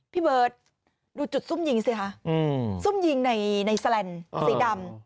พี่เบิร์ตดูจุดซุ่มยิงสิคะซุ่มยิงในแสลนด์สีดำ